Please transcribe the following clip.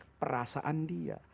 dan membenarkan perasaan dia